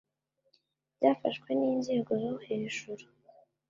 byafashwe n inzego zo hejuru